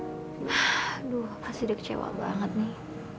aduh pasti dia kecewa banget nih